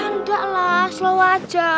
tanda lah selawah aja